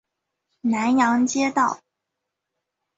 南阳街道